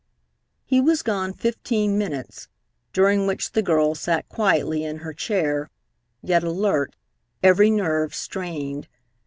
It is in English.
He was gone fifteen minutes, during which the girl sat quietly in her chair, yet alert, every nerve strained.